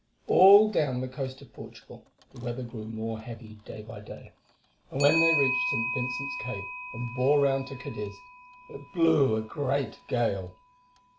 All down the coast of Portugal the weather grew more heavy day by day, and when they reached St. Vincent's Cape and bore round for Cadiz, it blew a great gale.